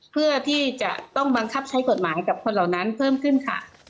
เพื่อที่จะต้องบังคับใช้กฎหมายกับคนเหล่านั้นเพิ่มขึ้นค่ะ